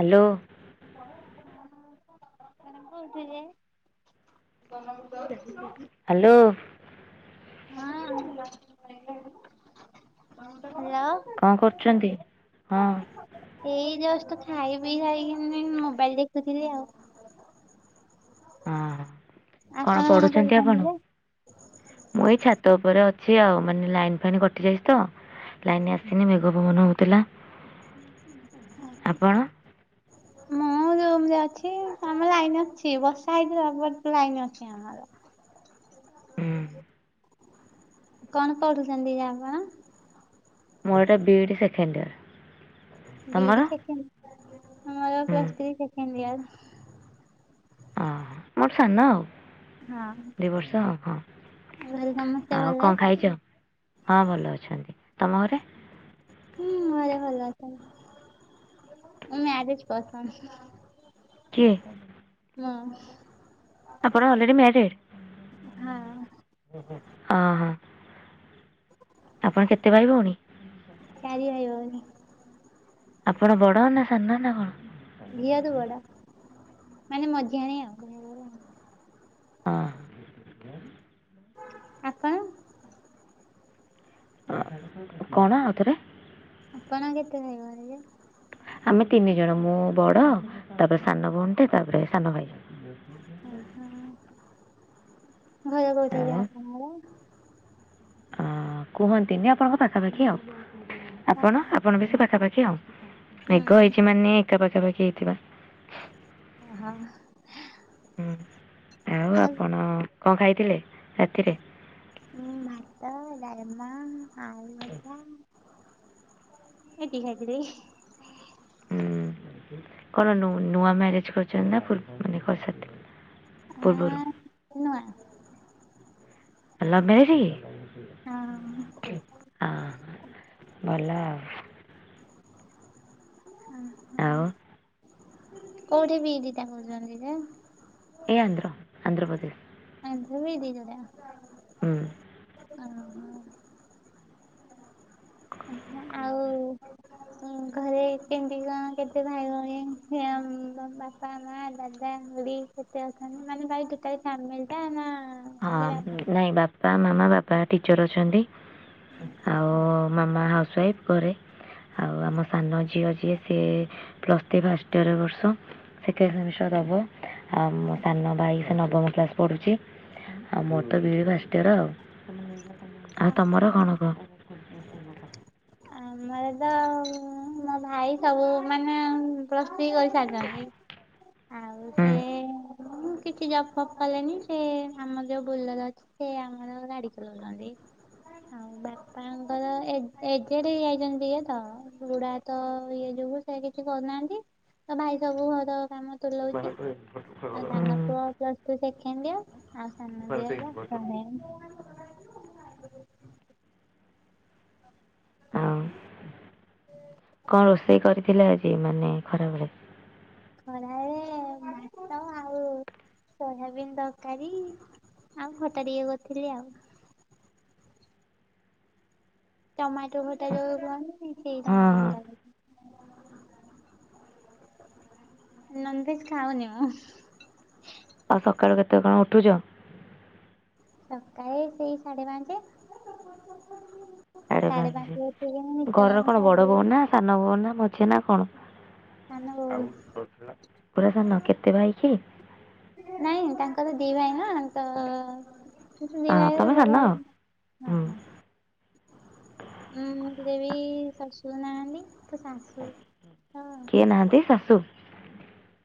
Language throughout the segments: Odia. ହାଲୋ। [unintelligible] [unintelligible] ହାଲୋ। ହଁ ହ୍ୟାଲୋ। କଣ କରୁଛନ୍ତି ହଁ। ଏଇ ଜଷ୍ଟ ଖାଇ ପିଇ ସାରିକି ମୋବାଇଲ ଦେଖୁଥିଲି ଆଉ। ହଁ କଣ ଆପଣ ପଢୁଛନ୍ତି କରୁଛନ୍ତି ଆପଣ? ଯେ? ମୁଁ ଏଇ ଛାତ ଉପରେ ଅଛି ଆଉ ମାନେ ଲାଇନ ଫାଇନ୍ କଟି ଯାଇଛି ତ। ଲାଇନରେ ଆସିନି ମେଘ ପବନ ହଉଥିଲା ଆପଣ। ରୁମରେ ଅଛି ଆମ ଲାଇନ ଅଛି ବର୍ଷା ହେଇଥିଲା ବଟ ଲାଇନ ଅଛି ଆମର। ହୁଁ କଣ କରୁଛନ୍ତି ଯ ଆପଣ? ମୋର ଏଇଟା ବିଇଡି ସେକେଣ୍ଡ ଇୟର। ବିଡି ସେ ଆମର ପ୍ ଥ୍ରୀ ସେକେଣ୍ଡ ଇୟର। ଓ ହୋ ମୋଠୁ ସାନ ଆଉ। ହଁ ଦି ବର୍ଷ ଆଉ ହଁ ଘରେ ସମସ୍ତେ ଆଉ ଭଲ କଣ ଅଛନ୍ତି? ଖାଇଛ? ହଁ ଭଲ ଅଛନ୍ତି ତମ ଘରେ? ହୁଁ ଆରେ ଭଲ ଅଛନ୍ତି। ମୁଁ ମ୍ୟରେଜ୍ ପସନ୍ଦ କିଏ ମୁଁ। ଆପଣ ଅଲରେଡ଼ି ମ୍ୟାରେଡ଼୍। ହଁ। ହଁ ହଁ ଆପଣ କେତେ ଭାଇ ଭଉଣି? ଚାରି ଭାଇ ଭଉଣୀ। ଆପଣ ବଡ ନା ସାନ ନା କଣ? ଝିଅ ତୁ ବଡ ମାନେ ମଝିଆଣି ଆଉ। ହଁ। ଆପଣ? କଣ ଆଉଥରେ? ଆପଣ କେତେ ଭାଇ ଭଉଣୀ ଯେ? ଆମେ ତିନି ଜଣ ମୁଁ ବଡ ତାପରେ ସାନ ଭଉଣ୍ଟେ ତାପରେ ସାନ ଭାଇ। ଓହୋ ଘରେ କଉଠି ଯେ ଆପଣ କର? ଅଁ କୁହନ୍ତିନି ଆପଣଙ୍କ ପାଖାପାଖି ଆଉ ଆପଣ? ଆପଣ ବେଶି ପାଖାପାଖି ଆଉ ବେଗ ହେଇଛି ହୁଁ ମାନେ ଏକା ପାଖାପାଖି ହେଇଥିବା। ଅ ହ। ହୁଁ ଆଉ ଆପଣ କଣ ଖାଇଥିଲେ ରାତିରେ? ହଁ ଭାତ ଡାଇମା ଆଉ ଭଜା। ଏତିକି ଖାଇଥିଲି। ହୁଁ କଣ ନୂ ନୂଆ ମ୍ୟାରେଜ କରୁଛନ୍ତି ନା ଫୁ ମାନେ [unintelligible] ପୂର୍ବରୁ। ନୂଆଁ। ଲଭ୍ ମେରେଜ୍ ହଁ କି ହଁ ଭଲ ଆଉ। ଓହୋ ଆଉ କୋଉଠି ବି ରିତା କହୁଛନ୍ତିି ଯେ। ଏଇ ଆନ୍ଧ୍ର ଆନ୍ଧ୍ରପ୍ରଦେଶ। ଆଣିଥିବ ହୁଁ [unintelligible] ଓହୋ। ଆଛା ଆଉ ଘରେ କେମିତି କଣ କେତେ ଭାଇ ଭଉଣୀ ଆମ ବାପା ମା ଦାଦା ଖୁଡୀ କେତେ ଅଛନ୍ତି ମାନେ ଭାଇ ଟୋଟାଲ ଫ୍ୟାମିଲିଟା ନା ହଁ ଖାଲି ବାପା ନାଇଁ ବାପା, ମାମା ବାପା ଟିଚର ଅଛନ୍ତି ଆଉ ମାମା ହାଉସୱାଇଫ୍ ଘରେ। ଆଉ ଆମ ସାନ ଝିଅ ଯିଏ ସିଏ ପ୍ଲସ୍ ଥ୍ରି ଫାଷ୍ଟ ୟର୍ ଏ ବର୍ଷ। ସେକେଣ୍ଡ ସେମିଷ୍ଟର ଦବ। ଆଉ ମୋ ଆଜ୍ଞା। ସାନ ଭାଇ ସେ ନବମୀ କ୍ଲାସ ପଢୁଛି ଆଉ ମୋର ତ ବିଡି ଫାଷ୍ଟ ଇୟର ଆଉ। ଆଉ ତମର କଣ କହ? ଆ। ଆମର ତ ମୋ ଭାଇ ସବୁ ମାନେ ପ୍ଲସ ଥ୍ରି କରିସାରିଛନ୍ତି। ଆଉ ସେ ହୁଁ କିଛି ଜଫଫ୍ପ୍ କଲେନି ସେ ଆମ ଯୋଉ ବୁଲର ଅଛି। ସେ ଆମର ଗାଡି ଚଲଉଚନ୍ତି। ଆଉ ବାପାଙ୍କର ଏଜେଡେ ହେଇ ଯାଇଚନ୍ତି ଟିକେ ତ। ବୁଢା ତ ଇଏ ଯୋଗୁ ସେ କିଛି କରୁନାହାନ୍ତି। ଭାଇ ସବୁ ଘର କାମ ତୁଲଉଚି। ଆଉ ସାନ ହୁଁ ପୁଅ ପ୍ଲସ୍ ଥ୍ରୀ ସେକେଣ୍ଡେଡ୍ ଇୟର୍ ଆଉ ସାନ ଝିଅ ହେଲା ଆଉ କଣ ରୋଷେଇ କରିଥିଲେ ଆଜି ମାନେ ଖରାବେଳେ? ଖରାବେଳେ ଭାତ ଆ ଆଉ ସୋୟାବିିନ ତରକାରି ଆଉ ଖଟା ଟିକେ କରିଥିଲି ଆଉ। ଟମାଟୋ ଖଟା ଯୋଉ କରନ୍ତିନି ସେଇ ହଁ ଟମାଟୋ ହଁ ଖଟା। ନନ୍ ଭେଜ୍ ଖାାଉନି ଆଉ। ଆଉ ସକାଳୁ କେତେ କଣ ଉଠୁଚ? ସକାଳେ ସେଇ ସାଢେ ପାଞ୍ଚେ। ସାଢ଼େ ସାଢେ ପାଞ୍ଚେ। ପାଞ୍ଚ ଉଠିକି ଘରର ନିତ୍ୟକ୍ରମ କଣ ବଡ଼ ସାରିଦିଏ। ବୋହୂ ନା ସାନ ଭଉଣୀ ନାଁ ମଝିଆ ନାଁ କଣ? ସାନ ବୋଉ ପୁରା ସାନ କେତେ ଭାଇ କି? ନାଇଁ ତାଙ୍କର ଦି ଭାଇ ନାଁ ତ ଦି ହଁ ଭାଇ ତମେ ବଡ ସାନ ଭାଇ ଆଉ। ହୁଁ ହଁ ଉଁ ଦେବି ଶାଶୁର ନାହାନ୍ତି। ତ ଶାଶୁ ତ ଦି ଶାଶୁ।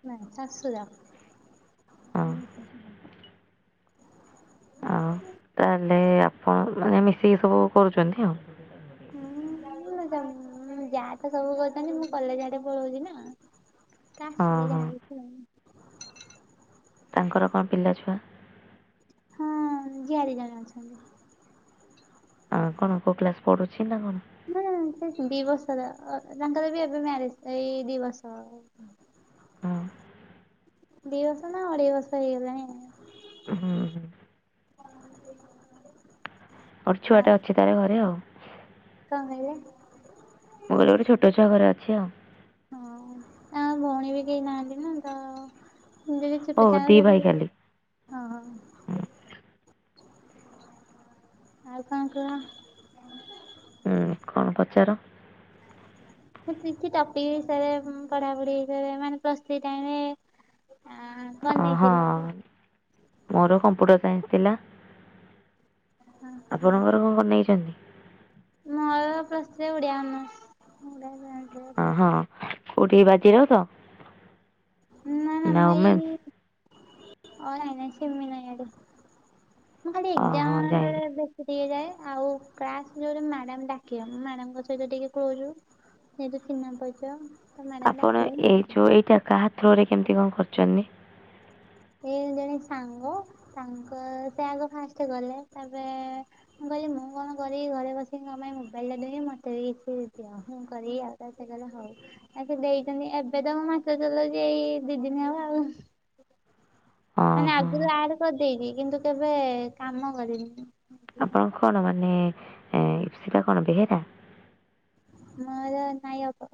ନାଇଁ ଶାଶୁର। ଅଁ। ଆଉ ତାହେଲେ ଆପଣ ମାନେ ମିଶିକି ସବୁ କରୁଚନ୍ତି ଆଉ। ହୁଁ ଯାହା ତ ସବୁ କରୁ ଚନ୍ତି ମୁଁ କଲେଜ୍ ଆଡେ ପଳଉଚି ନାଁ। କାସ୍ ହଁ ସିଏ ହଁ ଯାଣିଚି ଆଉ। ତାଙ୍କର କଣ ପିଲା ଛୁଆ? ହଁ ଝିଆରୀ ଜଣେ ଅଛନ୍ତି। ଆଁ କଣ କୋଉ କ୍ଲାସ୍ ପଢୁଛି ନାଁ କଣ? ନାଁ ସେ ଦିବର୍ଷ ର ତାଙ୍କର ବି ଏବେ ମ୍ୟାରେଜ୍ ଏଇ ଦିବର୍ଷ ହବ। ହଁ ଦିବର୍ଷ ନାଁ ଅଢ଼େଇ ବର୍ଷ ହେଇଗଲାଣି। ହୁଁ। ହୁଁ। ଆଉ ଅଛୁଆଟା ଅଛି ତା ଘରେ ଆଉ। କଣ କହିଲେ? ମୁଁ କହିଲି ଗୋଟେ ଛୋଟ ଛୁଆ ଘରେ ଅଛି ଆଉ। ହଁ ଆ ଭଉଣୀ ବି କେହି ନାହାନ୍ତି ନାଁ ତ [unintelligible] ହଁ ଆଉ ଓ ଦି ଭାଇ ଖାଲି। କଣ କୁହ? ହୁଁ କଣ ପଚାର? ସେ କିଛି ଟପିକ୍ ବିଷୟରେ ପଢାପଢିରେ କରେ ମାନେ ପ୍ଲସ୍ ଥ୍ରୀ ଟାଇମ୍ ରେ ଅହଁ ମୋର କମ୍ପ୍ୟୁଟର ସାଇନ୍ସ ଥିଲା। ଆପଣଙ୍କର ଘର କଣ ବନେଇଛନ୍ତି? ମୋର ପ୍ଲସ୍ ଥ୍ରୀ ଓଡିଆ ଅନର୍ସ [unintelligible] ଅ ହଁ କୋଉଠି ବାଜିରାଉତ ନା ଓମେନେ। ଓ ଏନେ ଯିବିନାହିଁ ଏଠି ମୁଁ ଖାଲି ହଁ ହଁ ଏକ୍ଜାମ ଜାଣିଲି ବେଳେ। ବିଏ ଯାଏ ଆଉ କ୍ଲାସ ଜୋରେ ମ୍ୟାଡାମ ଡାକିବ ମ୍ୟାଡାମଙ୍କ ସହିତ ଟିକେ କ୍ଲୋଜ୍। ସେଇଠୁ ଚିହ୍ନା ପରିଚୟ ମ୍ୟାଡାମ୍ ଡାକିବେ ମୁଁ। ଚୋରିଟା କାହା ଥ୍ରୋରେ କେମିତି କଣ କରୁଛନ୍ତି। ଏ ଜଣେ ସାଙ୍ଗ ତାଙ୍କ ସେ ଆଗ ଫାଷ୍ଟ ଗଲେ ତାପରେ। ମୁଁ କହିଲି ମୁଁ କଣ କରିବି ଘରେ ବସିକି କଣ ପାଇଁ ମୋବାଇଲ ରେ ଦେଇ ମତେ ବି କିଛି ଦିଅ ମୁଁ କରିବି ଆଉ। ତାପରେ ସେ କହିଲେ ହଉ ଆ ସେ ଦେଇଛନ୍ତି ଏବେ ତ ମୁଁ ମାସେ ଚଲଉଛି ଏଇ ଦି ଦିନ ହେବ ଆଉ। ହଁ ମାନେ ହଁ ଆଗରୁ ଆଡ୍ କରିଦେଇକି କିନ୍ତୁ କେବେ କାମ କରିନି। ଆପଣ କଣ ମାନେ ଇପ୍ସିତା କଣ ବେହେରା। ମୋର ନାୟକ।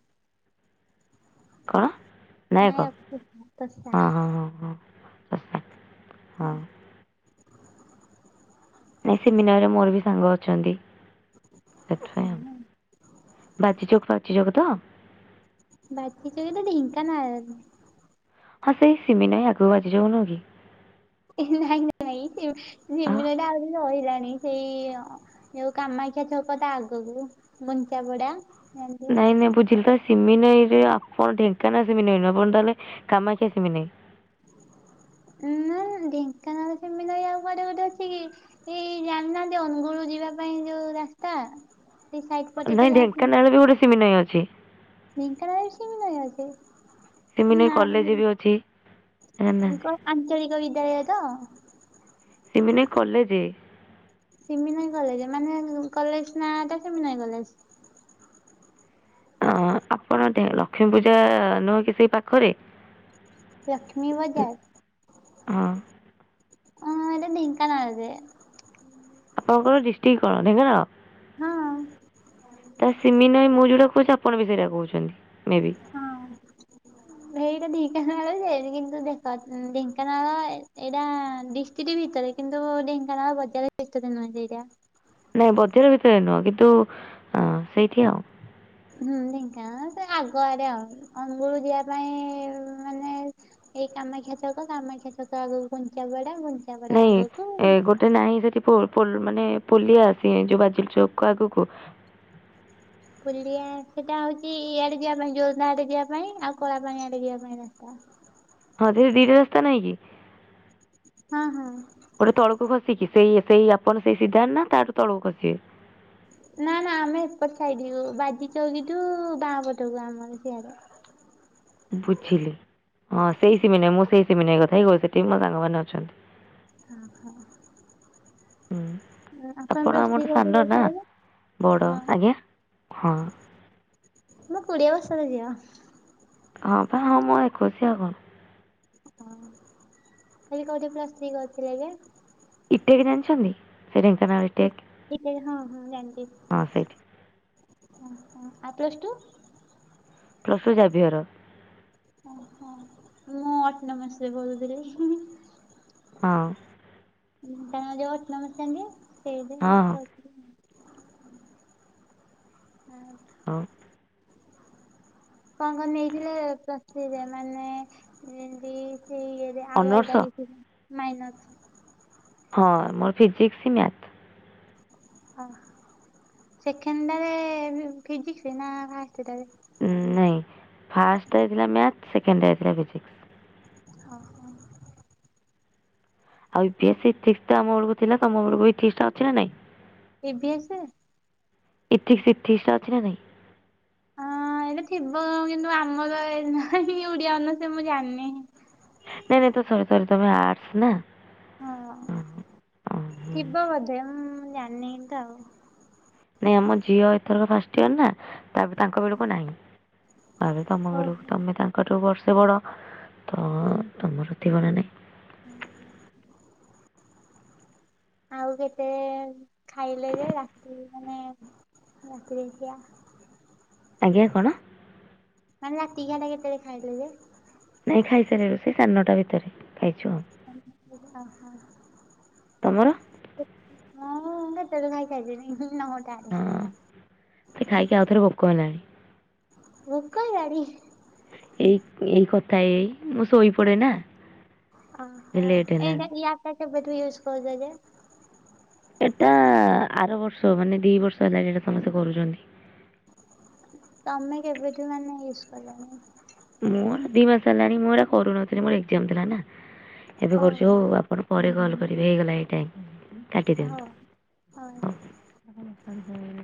କଣ। ନାୟକ ତସା। ହଁ ହଁ ହଁ ହଁ ଶଶା ହଁ ହୁଁ [inaudible] ନାଇଁ ସେମିନାରେ ମୋର ବି ସାଙ୍ଗ ଅଛନ୍ତି ସେଥିପାଇଁ ଆଉ। ହଁ ବାଜିଚକ୍ ଫଚଚକ୍ ତ [unintelligible] ବାଚ ବି ତ ଢେଙ୍କାନାଳ [unintelligible] ହଁ ସେଇ ସେମିିନାଇଁ ଆଗକୁ ଅଛି ଯୋଉ ନୁହଁ କି। ନାଇଁ ନାଇଁ ଆ ଜିମିନଟା ଆହୁରି ରହିଲାଣି [inaudible] ସେଇ ଯୋଉ କାମାକ୍ଷା ଛକ ତା ଆଗକୁ ବୁଞ୍ଚା ପଡା। ନାଇଁ ନାଇଁ ବୁଝିଲେ ତ ସିମିନାଇ ଯେ ଆପଣ ଢେଙ୍କାନାଳ ସିମିନାଇ ନୁହଁ ଆପଣ ତାହେଲେ କାମାକ୍ଷା ସିମିନାଇ। ଉଁ ଢେଙ୍କାନାଳ ସିମିନାଇ ଆଉ କୁଆଡେ ଗୋଟେ ଅଛି କି। ଏଇ ଜାଣିନାହାନ୍ତି ଅନୁଗୁଳ ଯିବା ପାଇଁ ଯୋଉ ରା। ସ୍ତା ସେ ସାଇଟ୍ ପଟେ ତ ଯାନ୍ତି। ସେ ଗୋଟେ ସିମିନାଇ ଅଛି। ଢେଙ୍କାନାଳରେ ସିମିନାଇ ଅଛି ସିମିନାଇ କଲେଜ ନାଇ। ବି ଅଛି ଜାଣିନାହାନ୍ତି ଆଞ୍ଚଳିକ ବିଦ୍ୟାଳୟ ତ। ସିମିନାଇ କଲେଜ୍। ସିମିନାଇ କଲେଜ ମାନେ କଲେଜ ନା ଟା ସିମିନାଇ କଲେଜ୍। ଅ ଆପଣ ଲକ୍ଷ୍ମୀ ପୂଜା ନୁହେଁ କି ସେଇ ପାଖରେ। ଲକ୍ଷ୍ମୀ ବଜାର ହଁ ଆଁ ଏଟା ଢ଼େଙ୍କାନାଳରେ। ଆପଣଙ୍କର ଡିଷ୍ଟିକ୍ କଣ ଢେଙ୍କାନାଳ ହଁ ତ ସିମିନାଇ ମୁଁ ଯୋଉଟା କୋହୁଛି। ଆପଣ ବି ସେଇଟା କହୁଛନ୍ତି ମେ ବି। ହଁ। ହେଇଟା ଢେଙ୍କାନାଳ ଯେ କିନ୍ତୁ ଦେଖ ଢେଙ୍କାନାଳ ଏଇଟା ଡ଼ି। ଟି ଭିତରେ କିନ୍ତୁ ଢେଙ୍କାନାଳ ବଜାରେ ଭିତରେ ନୁହଁ ସେଇଟା। ନାଇଁ ବଜାର ଭିତରେ ନୁହଁ କିନ୍ତୁ ଅ ସେଇଠି ଆଉ। ହୁଁ ଢେଙ୍କାନାଳ ସେ ଆଗରେ ଆଉ ଅନୁଗୁଳ ଯିବା ପାଇଁ ମାନେ। ଏଇ କାମାକ୍ଷା ଛକ କାମାକ୍ଷା ଛକ ଆଗକୁ ଘୁଞ୍ଚା ପଡା ଘୁ। ନାଇଁ ଏ ଗୋଟେ। ନାହିଁ ସେଠି ମାନେ ପୋଲିଆ ଆସି ଯୋଉ ବାଜ ଚୌକକୁ ଆଗକୁ। କୁଲିଆ ସେଟା ହଉଛି ଇଆଡେ ଯିବା ପାଇଁ ଯୋରଦା ଆଡେ ଯିବା ପାଇଁ ଆଉ କଳାପାଣି ଆଡେ ଯିବା ପାଇଁ। ଆ। ହଁ ସେ ଦିଟା ରାସ୍ତା ନାଇଁ କି। ହଁ ହଁ। ଗୋଟେ ତଳକୁ ଖସିକି, ସେଇ ସେଇ ଆପଣ ସେଇ ସିଧା ନା ତାଠୁ ତଳକୁ ଖସି ନା ନା, ଆମେ ଏପ ସାଇ--------ବାଜି ଚଉକିଠୁ ବାଁ ପଟକୁ ଆମର ସିଆଡ଼େ। [inaudible] ହୁଁ ଆପଣ ଆମଠୁ ସାନ ନା [unintelligible] ବଡ଼, ହଁ ଆଜ୍ଞା, ହଁ। ମୁଁ କୁଡ଼ିଏ ବର୍ଷର ଜିଅ। ହଁ ପା, ହଁ ମୁଁ ଏକୋଇଶି, ଆଉ କ କହିଲି, କଉଠି ପ୍ଲସ୍ ଥ୍ରୀ କର୍ଥିଲେ ଯେ? ଇଟେକ୍ ଜାଣିଛନ୍ତି, ସେଇ ଢେଙ୍କାନାଳ୍ ଇଟେକ୍, ହଁ ହଁ ଜାଣିଛି। ହଁ ସେଇଠି। [unintelligible] Plus two Xavier. [inaudible] ହଁ! ହଁ ହଁ [inaudible] [unintelligible] [inaudible] ଅନର୍ସ [unintelligible] ହଁ, ମର ଫିଜିକ୍ସ ମ୍ୟା ସେଖେଣ୍ଡାରେ ଫିଜିକ୍ସି ନା ଫାଷ୍ଟେଟା ରେ? ନାଇଁ, ଫାଷ୍ଟାରେ ଥିଲା ମ୍ୟାଥ୍, ସେକେ--ଥିଲା ଫିଜିକ୍ସ। [unintelligible] ଆଉ ୟୁପି------ଇଥିକ୍ସ ବଳକୁ ଥିଲା, ତମ ବଳକୁ ଟା ଅଛି ନା ନାଇଁ? [inaudible] ଇଥିକ୍ସ, ଇଥି----ଅଛି ନା ନାହିଁ? [inaudible] ନାଇଁ ନାଇଁ, ତ ସରି ସରି ତମେ ଆର୍ଟସ୍‌ ନା? ହଁ, ହଁ ହଁ ଥିବ ବଧେ, ଜାଣ୍---ତ ଆଉ। ନାଇଁ, ଆମ ଝିଅ ଏଥର ଫାଷ୍ଟ୍ ଇୟର୍ ନା। [inaudible] ଓହୋ। ବର୍ଷେ ବଡ଼, ତ ତମର ଥିବ ନାଇଁ? ହୁ ଆଉ କେତେ ଖାଇଲେ ଯେ ରାତି ମାନେ [unintelligible] ଆଜ୍ଞା, କ'ଣ? ମା ରାତିି ଖିଆଟା କେତେ--ଳେ ଖାଇବେ ଯେ? [inaudible] [unintelligible] ତମର। [unintelligible] ହଁ ମୋତେ ଖାଇକି, ଆଉ ଥରେ ଭୋକ ହେଲାଣି। [inaudible] ଏଇ ଏଇ କଥା ଏଇ ମୁଁ ଶୋଇ ପଡ଼େନା। [inaudible] ଏଟା ଆର ବର୍ଷ ମାନେ ଦି ବର୍ଷ ହେଲାଣି, ଏଟା ସମସ୍ତେ କରୁଚନ୍ତି। ତମେ କେବେଠୁ ମାନେ ୟୁସ୍‌ କଲଣିି? ମୁଁ ଦି ମାସ ହେଲାଣି ମୁଁ ଏରା କରୁନଥିଲି ମୋର ଏଜାମ ଥିଲାନା ଏବେ କରୁଛି ଓହୋ ହଉ ଆପଣ? ପରେ କଲ କରିବି ହେଇଗଲାଣି ଟାଇମ ହଉ କାଟିଦିଅନ୍ତୁ ହଉ। ହଉ। [unintelligible]